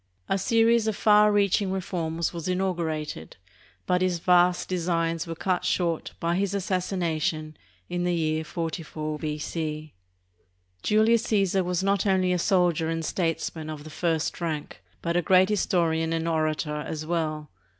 A series of far reaching reforms was inaugurated, but his vast designs were cut short by his assassination in the year 44 B.C. Julius Caesar was not only a soldier and statesman of the first rank, but a great historian and orator as well.